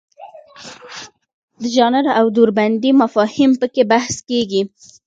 د ژانر او دوربندۍ مفاهیم پکې بحث کیږي.